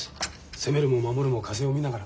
攻めるも守るも風を見ながら。